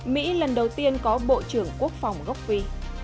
mỹ lần đầu tiên có bộ trưởng quốc phòng gốc phi